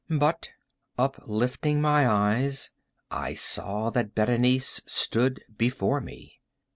But, uplifting my eyes, I saw that Berenice stood before me.